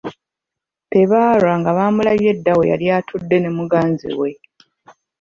Tebaalwa nga baamulabye dda we yali attude ne muganzi we.